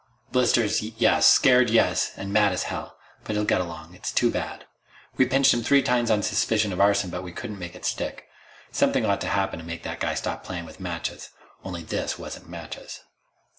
Blisters, yes. Scared, yes. And mad as hell. But he'll get along. It's too bad. We've pinched him three times on suspicion of arson, but we couldn't make it stick. Something ought to happen to make that guy stop playin' with matches only this wasn't matches."